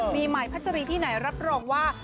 มีใหม่พัชรีที่ไหนรับรองว่า